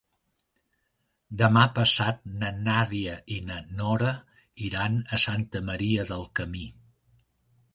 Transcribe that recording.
Demà passat na Nàdia i na Nora iran a Santa Maria del Camí.